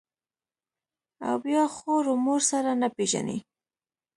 او بيا خور و مور سره نه پېژني.